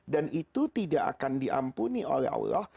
dan itu tidak akan diampuni oleh allah